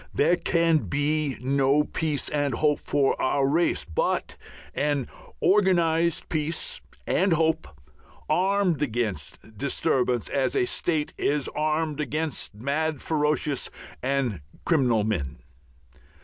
There can be no peace and hope for our race but an organized peace and hope, armed against disturbance as a state is armed against mad, ferocious, and criminal men.